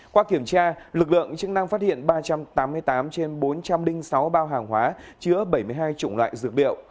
qua kiểm tra lực lượng chức năng phát hiện ba trăm tám mươi tám trên bốn trăm linh sáu bao hàng hóa chứa bảy mươi hai chủng loại dược liệu